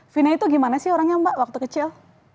vina itu gimana sih orangnya mbak waktu kecil